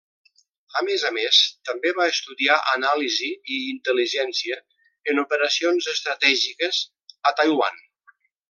A més a més també va estudiar anàlisi i intel·ligència en operacions estratègiques a Taiwan.